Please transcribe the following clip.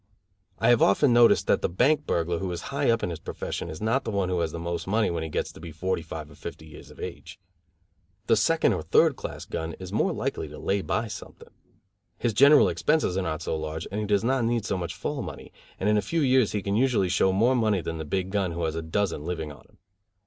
I have often noticed that the bank burglar who is high up in his profession is not the one who has the most money when he gets to be forty five or fifty years of age. The second or third class gun is more likely to lay by something. His general expenses are not so large and he does not need so much fall money; and in a few years he can usually show more money than the big gun who has a dozen living on him.